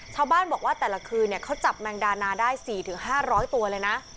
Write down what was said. ชาวบ้านบอกว่าแต่ละคืนเนี่ยเขาจับแมงดานะได้สี่ถึงห้าร้อยตัวเลยนะ